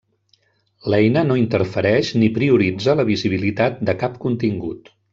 L'eina no interfereix ni prioritza la visibilitat de cap contingut.